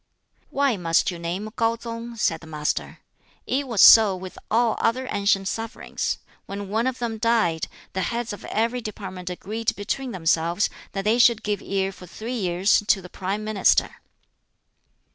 "Why must you name KŠu tsung?" said the Master. "It was so with all other ancient sovereigns: when one of them died, the heads of every department agreed between themselves that they should give ear for three years to the Prime Minister."